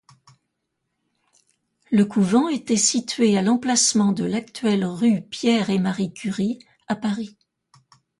Le couvent était situé à l’emplacement de l’actuelle rue Pierre-et-Marie-Curie à Paris.